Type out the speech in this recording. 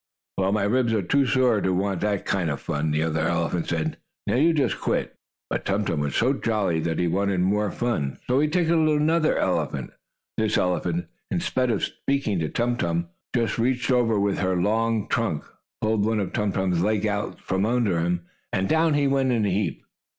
"Well, my ribs are too sore to want that kind of fun," the other elephant said. "Now you just quit!" But Tum Tum was so jolly that he wanted more fun, so he tickled another elephant. This elephant, instead of speaking to Tum Tum, just reached over with her long trunk, pulled one of Tum Tum's legs out from under him, and down he went in a heap.